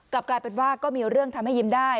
กลายเป็นว่าก็มีเรื่องทำให้ยิ้มได้